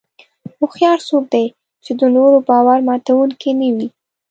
هوښیار څوک دی چې د نورو باور ماتوونکي نه وي.